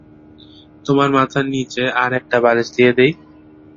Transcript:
তোমার মাথার নিচে আর একটা বালিশ দিয়ে দিই।